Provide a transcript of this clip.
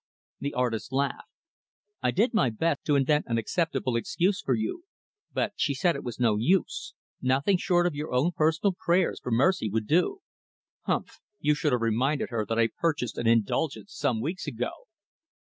The artist laughed. "I did my best to invent an acceptable excuse for you; but she said it was no use nothing short of your own personal prayers for mercy would do." "Humph; you should have reminded her that I purchased an indulgence some weeks ago."